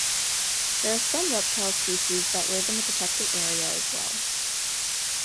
There are some reptile species that live in the protected area as well